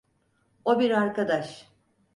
O bir arkadaş.